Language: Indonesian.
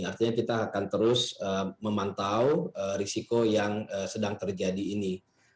artinya kita akan terus memantau risiko yang sedang terjadi ini